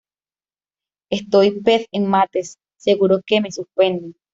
Estoy pez en mates, seguro que me suspenden